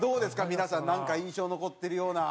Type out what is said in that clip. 皆さんなんか印象に残ってるような。